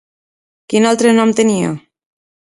Quin altre nom tenia?